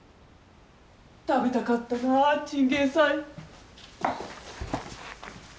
食べたかったなあチンゲン菜。